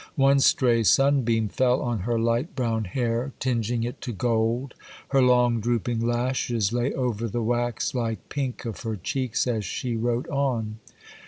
One stray sunbeam fell on her light brown hair, tinging it to gold; her long, drooping lashes lay over the wax like pink of her cheeks, as she wrote on.